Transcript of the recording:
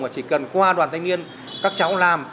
mà chỉ cần qua đoàn thanh niên các cháu làm